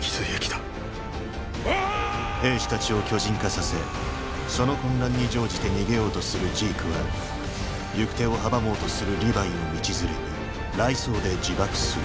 兵士たちを巨人化させその混乱に乗じて逃げようとするジークは行く手を阻もうとするリヴァイを道連れに雷槍で自爆する